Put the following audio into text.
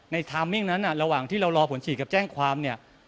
ไทมมิ่งนั้นระหว่างที่เรารอผลฉีดกับแจ้งความเนี่ย